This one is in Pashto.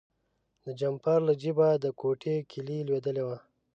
د جمپر له جیبه د کوټې کیلي لویدلې وه.